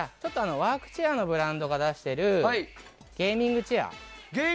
ワークチェアのブランドが出しているゲーミングチェア。